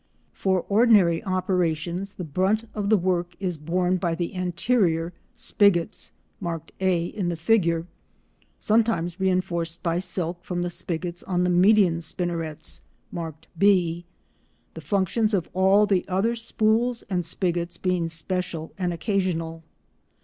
For ordinary operations the brunt of the work is borne by the spigots marked a in the figure, sometimes reinforced by silk from the spigots on the median spinnerets marked b, the functions of all the other spools and spigots being special and occasional.